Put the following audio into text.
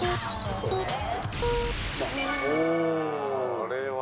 これは。